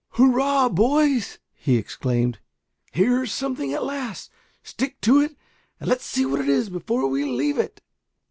"Hurrah, boys," he exclaimed, "here's something at last! Stick to it, and let's see what it is before we leave it."